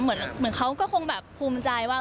เหมือนที่เขาคงคลุมใจว่า